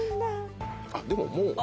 あっでももう。